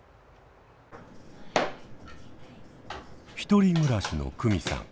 １人暮らしの久美さん。